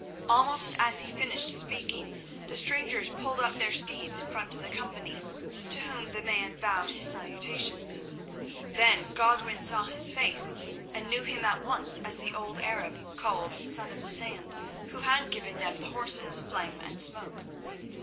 Almost as he finished speaking the strangers pulled up their steeds in front of the company, to whom the man bowed his salutations. Then Godwin saw his face, and knew him at once as the old Arab called Son of the Sand, who had given them the horses Flame and Smoke.